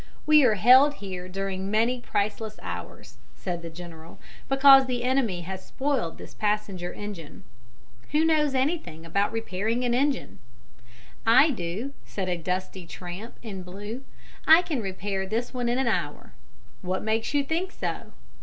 "We are held here during many priceless hours," said the general, "because the enemy has spoiled this passenger engine. Who knows any thing about repairing an engine?" "I do," said a dusty tramp in blue. "I can repair this one in an hour." "What makes you think so?"